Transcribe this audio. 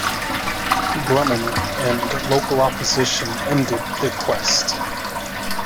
Grumman and local opposition ended the quest.